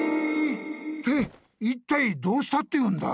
っていったいどうしたっていうんだ？